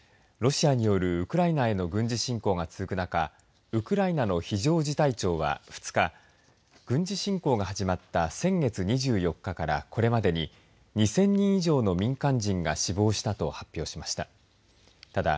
ロシアによるウクライナへの軍事侵攻が続く中ウクライナの非常事態庁は２日、軍事侵攻が始まった先月２４日から、これまでに２０００人以上の民間人が死亡したと発表しました。